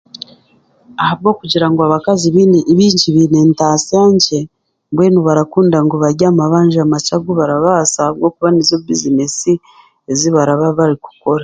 Abwokugira ngu abakazi baingi baine entaasa nkye, mbwenu barakunda ngu barye amabanja makye agu barabaasa ahabwokuba nizo bizineesi ezibaraba barikukora